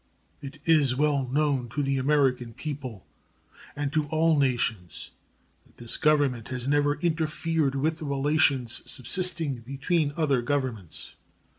It is well known to the American people and to all nations that this Government has never interfered with the relations subsisting between other governments.